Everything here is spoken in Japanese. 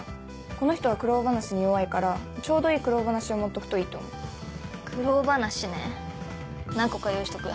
この人は苦労話に弱いからちょうどいい苦労話を持っておくといいと思う苦労話ね何個か用意しとく